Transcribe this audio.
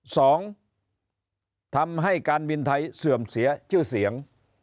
สองทำให้การบินไทยเสื่อมเสียชื่อเสียง